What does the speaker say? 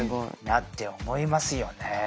なって思いますよね